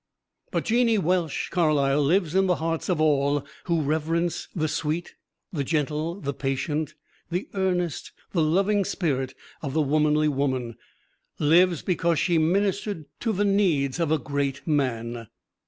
But Jeannie Welsh Carlyle lives in the hearts of all who reverence the sweet, the gentle, the patient, the earnest, the loving spirit of the womanly woman: lives because she ministered to the needs of a great man.